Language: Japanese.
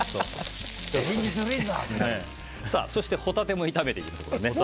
そして、ホタテも炒めていきます。